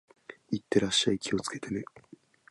行ってらっしゃい。気をつけてね。